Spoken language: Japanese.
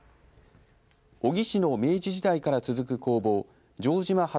小城市の明治時代から続く工房城島旗